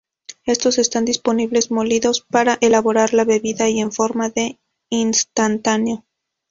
Estos están disponibles molidos para elaborar la bebida y en forma de "instantáneo".